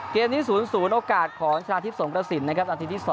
ตอนที่๐๐โอกาสของชาติทศพสมกระสินนะครับอาทิตย์ที่๒